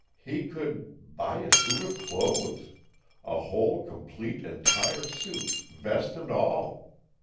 He could buy a suit of clothes! A whole, complete, entire suit, vest and all!